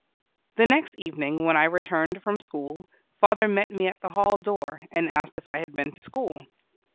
The next evening, when I returned from school, father met me at the hall door, and asked if I had been to school.